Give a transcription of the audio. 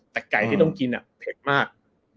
แต่ไก่ที่ต้องกินเผ็ดมาก